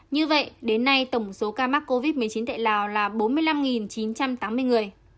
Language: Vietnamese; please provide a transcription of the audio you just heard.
như vậy đến nay tổng số ca mắc covid một mươi chín tại lào là bốn mươi năm chín trăm tám mươi người